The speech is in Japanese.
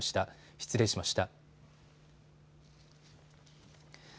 失礼しました。